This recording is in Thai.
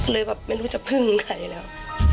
เลยแบบไม่รู้จะพึ่งใครแล้ว